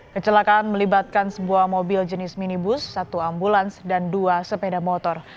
kecelakaan melibatkan sebuah mobil jenis minibus satu ambulans dan dua sepeda motor